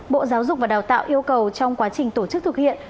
bộ giáo dục và đào tạo yêu cầu trong quá trình tổ chức thực hiện